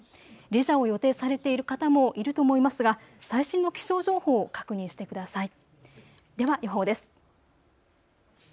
レジャーを予定されている方もいると思いますが最新の気象情報を確認してください。